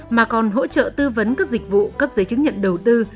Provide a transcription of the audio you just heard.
mà còn hỗ trợ tư vấn các dịch vụ cấp giấy chứng nhận đầu tư